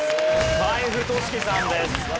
海部俊樹さんです。